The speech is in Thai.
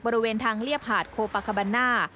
บริเวณทางเรียบหาดโคปาคาบันน่า